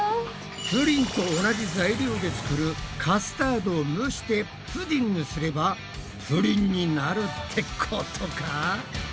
プリンと同じ材料で作る「カスタード」を蒸して「プディング」すればプリンになるってことか！？